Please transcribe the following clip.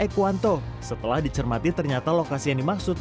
kuanto setelah dicermati ternyata lokasi yang dimaksud